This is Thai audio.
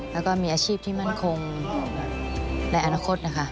แล้วก็มีอาชีพที่มั่นคงในอนาคตนะคะ